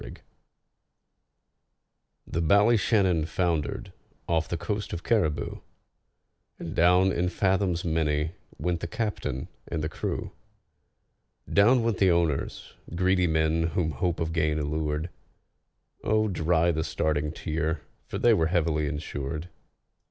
THE Ballyshannon foundered off the coast of Cariboo, And down in fathoms many went the captain and the crew; Down went the owners—greedy men whom hope of gain allured: Oh, dry the starting tear, for they were heavily insured.